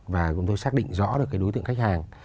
và chúng tôi xác định rõ được cái đối tượng khách hàng